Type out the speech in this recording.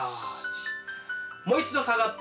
もう一度下がって。